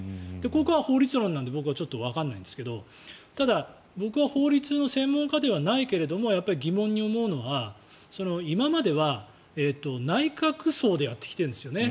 ここは法律論なので僕はちょっとわからないんですがただ、僕は法律の専門家ではないけれども疑問に思うのは今までは内閣葬でやってきているんですよね。